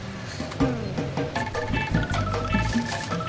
kalau sudah dikasih saya kasih